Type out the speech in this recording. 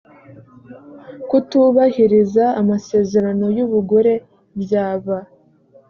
kutubahiriza amasezerano y ubugure byaba